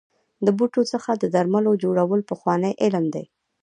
د بوټو څخه د درملو جوړول پخوانی علم دی.